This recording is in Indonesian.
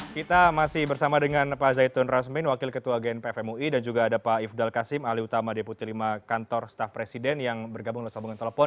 kita masih bersama dengan pak zaitun rasmin wakil ketua gnpf mui dan juga ada pak ifdal kasim alih utama deputi lima kantor staf presiden yang bergabung lewat sambungan telepon